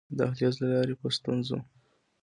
د دهلېز له لارې په ستونزو.